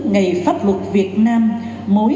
ngày pháp luật việt nam mỗi